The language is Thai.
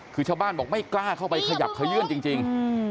คือชาวบ้านบอกไม่กล้าเข้าไปขยับขยื่นจริง